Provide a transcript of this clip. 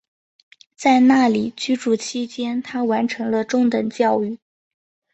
在那里居住期间她完成了中等教育。